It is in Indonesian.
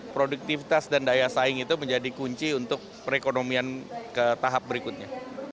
produktivitas dan daya saing itu menjadi kunci untuk perekonomian ke tahap berikutnya